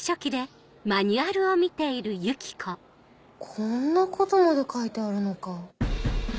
こんなことまで書いてあるのか。